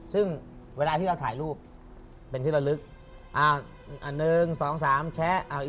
ซึ่งเวลาที่เราถ่ายรูปเป็นที่ระลึก๑๒๓แชะ